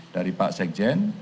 dari pak sekjen